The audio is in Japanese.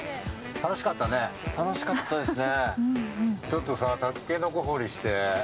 楽しかったですね。